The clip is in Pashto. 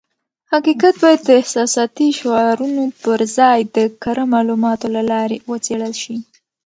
حقیقت بايد د احساساتي شعارونو پر ځای د کره معلوماتو له لارې وڅېړل شي.